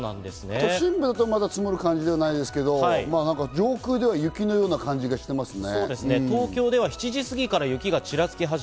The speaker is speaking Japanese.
都心部だとまだ積もる感じじゃないですけど、上空では雪のような感じがしていますね。